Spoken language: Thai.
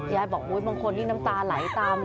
ยายบอกอุ๊ยบางคนนี่น้ำตาไหลตาม